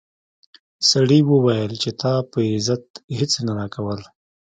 سړي وویل چې تا په عزت هیڅ نه راکول.